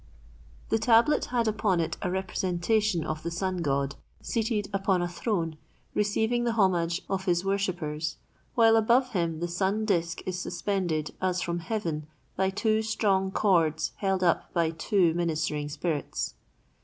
The tablet had upon it a representation of the Sun God, seated upon a throne receiving the homage of his worshippers, while above him the sun disc is suspended as from heaven by two strong cords held up by two ministering spirits.